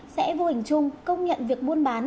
sẽ vô hình chung công nhận việc buôn bán